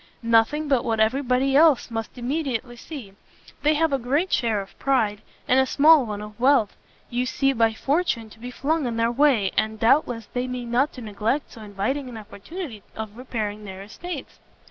"Nothing but what every body else must immediately see; they have a great share of pride, and a small one of wealth; you seem by fortune to be flung in their way, and doubtless they mean not to neglect so inviting an opportunity of repairing their estates."